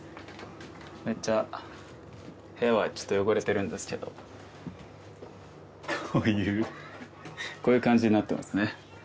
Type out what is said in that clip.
めっちゃ部屋はちょっと汚れてるんですけどこういうこういう感じになってますね